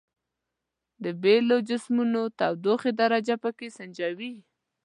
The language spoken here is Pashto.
د بیلو جسمونو د تودوخې درجه پرې سنجوو.